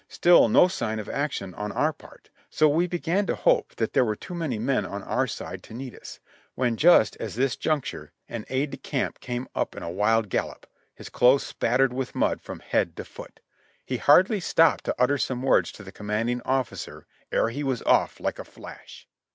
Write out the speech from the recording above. Still no sign of action on our part, so we began to hope that there were too many men on our side to need us, when just as this juncture an aide de camp came up in a wild gallop, his clothes spattered with mud from head to foot. He hardly stopped to utter some words to the commanding offi cer ere he was off like a flash.